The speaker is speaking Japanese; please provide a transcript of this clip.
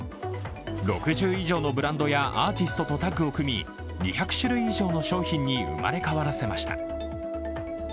６０以上のブランドやアーティストとタッグを組み２００種類以上の商品に生まれ変わらせました。